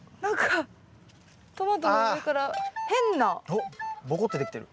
おっぼこってできてる。